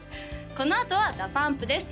このあとはＤＡＰＵＭＰです